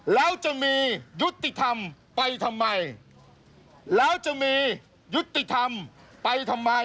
แล้วจะมียุติธรรมไปทำไม